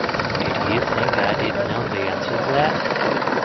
Did you think I didn’t know the answer to that?